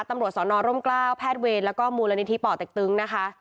ตำรวจสอนอร่มกล้าวแพทย์เวรแล้วก็มูลนิธิป่อเต็กตึงนะคะ